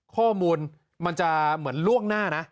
ข้อมูลมันจะเหมือนล่วงหน้านะ